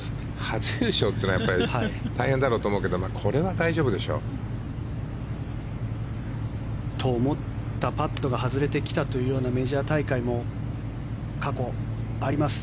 初優勝というのは大変だろうと思うけどこれは大丈夫でしょう。と思ったパットが外れてきたというメジャー大会も過去、あります。